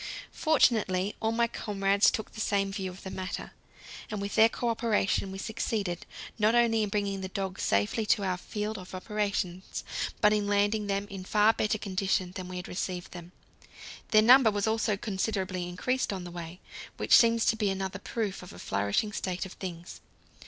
Fortunately all my comrades took the same view of the matter, and with their cooperation we succeeded not only in bringing the dogs safely to our field of operations, but in landing them in far better condition than when we received them. Their number was also considerably increased on the way, which seems to be another proof of a flourishing state of things.